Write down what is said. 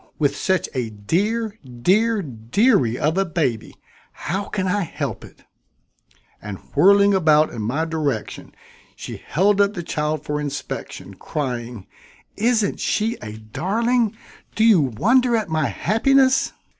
With such a dear, dear dearie of a baby, how can I help it?" And whirling about in my direction, she held up the child for inspection, crying: "Isn't she a darling! Do you wonder at my happiness?"